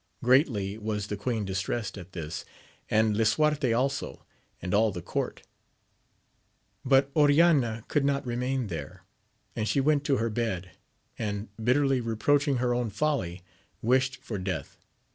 Greatly was the queen distressed at this, and lisuarte also, and all the court ; but Oriana could not remain there, and she went to her bed, and bitterly reproaching her own folly, wished for death.